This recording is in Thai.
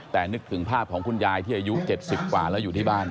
แต่นึกถึงภาพของคุณยายที่อายุ๗๐กว่าแล้วอยู่ที่บ้าน